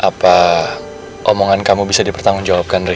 apa omongan kamu bisa dipertanggung jawabkan re